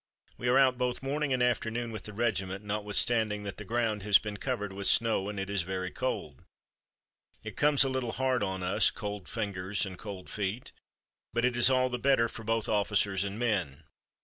We are out both morning and afternoon with the regiment, notwithstanding that the ground has been covered with snow and it is very cold. It comes a little hard on us, cold fingers and cold feet, but it is all the better for both officers and men.